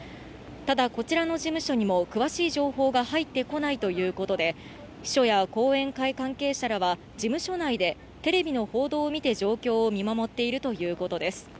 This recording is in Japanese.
ただ、こちらの事務所にも詳しい情報が入ってこないということで、秘書や後援会関係者らは、事務所内でテレビの報道を見て、状況を見守っているということです。